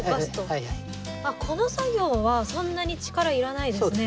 この作業はそんなに力いらないですね。